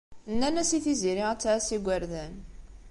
Nenna-as i Tiziri ad tɛass igerdan.